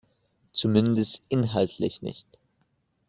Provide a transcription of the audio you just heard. Zumindest inhaltlich nicht.